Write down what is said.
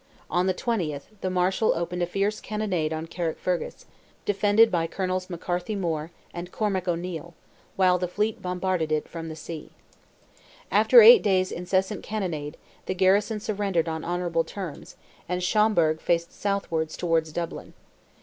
On the 20th, the Marshal opened a fierce cannonade on Carrickfergus, defended by Colonels McCarthy More and Cormac O'Neil, while the fleet bombarded it from sea. After eight days' incessant cannonade, the garrison surrendered on honourable terms, and Schomberg faced southward towards Dublin.